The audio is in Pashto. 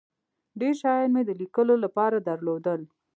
ډیر شیان مې د لیکلو له پاره درلودل.